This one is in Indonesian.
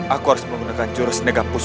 aku harus menggunakan jurus negapus